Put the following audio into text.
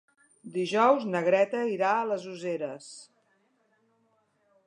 Dijous na Greta irà a les Useres.